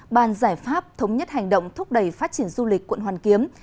bàn giải pháp thống nhất hành động thúc đẩy phát triển du lịch quận hoàn kiếm